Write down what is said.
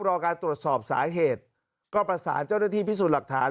รอการตรวจสอบสาเหตุก็ประสานเจ้าหน้าที่พิสูจน์หลักฐาน